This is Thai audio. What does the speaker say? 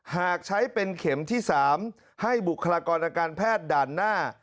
หากใช้เป็นเข็มที่๓ให้บุคลากรอาการแพทย์ด่านหน้า